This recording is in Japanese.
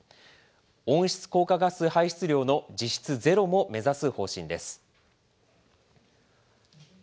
温室効果ガス排出量の実質ゼロも目指す方針です。